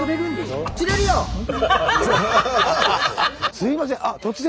すいません突然。